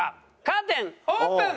カーテンオープン！